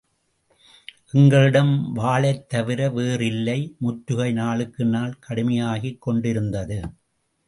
எங்களிடம் வாளைத் தவிர வேறு இல்லை! முற்றுகை நாளுக்கு நாள் கடுமையாகிக் கொண்டிருந்தது.